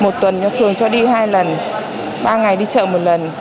một tuần cho đi hai lần ba ngày đi chợ một lần